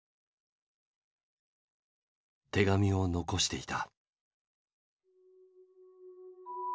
手紙を遺していた。